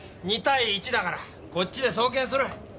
２対１だからこっちで送検する。